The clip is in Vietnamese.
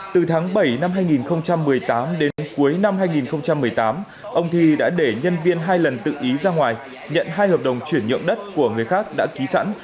từ tháng bảy năm hai nghìn một mươi tám đến cuối năm hai nghìn một mươi tám ông thi đã để nhân viên hai lần tự ý ra ngoài nhận hai hợp đồng chuyển nhượng đất của người khác đã ký sẵn